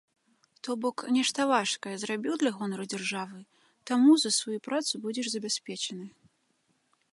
То бок нешта важкае зрабіў для гонару дзяржавы, таму за сваю працу будзеш забяспечаны.